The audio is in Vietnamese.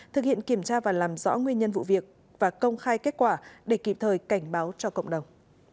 thực hiện kiểm tra và làm rõ nguyên nhân vụ việc và công khai kết quả để kịp thời cảnh báo cho cộng đồng